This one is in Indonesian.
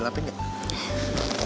pelan pelan pelan